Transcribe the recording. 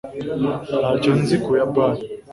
Ntacyo nzi ku Buyapani